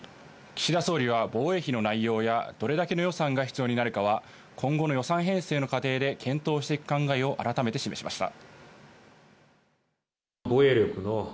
岸田総理は防衛費の内容や、どれだけの予算が必要になるかは今後の予算編成の過程で検討していく考えを改めて示しました。